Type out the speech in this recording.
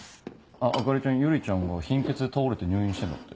あっ朱里ちゃん百合ちゃんが貧血で倒れて入院してんだって。